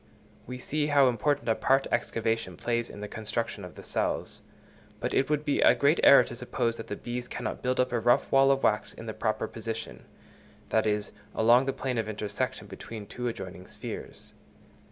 We see how important a part excavation plays in the construction of the cells; but it would be a great error to suppose that the bees cannot build up a rough wall of wax in the proper position—that is, along the plane of intersection between two adjoining spheres.